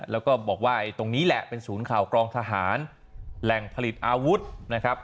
แล้วก็บอกว่าตรงนี้แหละเป็นศูนย์ข่าวกรองทหารแหล่งผลิตอาวุธนะครับ